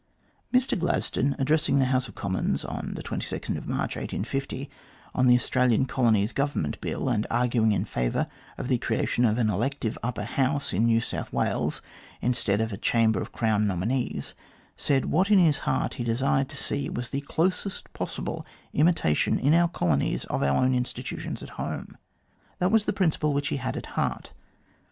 Mr Gladstone, addressing the House of Commons on March 22, 1850, on the Australian Colonies Government Bill, and arguing in favour of the creation of an elective Upper House in New South Wales, instead of a Chamber of Crown nominees, said what in his heart he desired to see was the closest possible imitation in our colonies of our own institu tions at home. That was the principle which he had at heart.